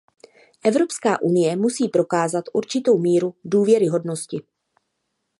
Evropská unie musí prokázat určitou míru důvěryhodnosti.